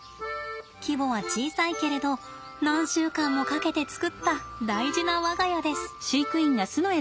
規模は小さいけれど何週間もかけて作った大事な我が家です。